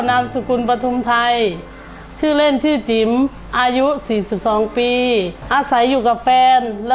นี้กันก่อนค่ะ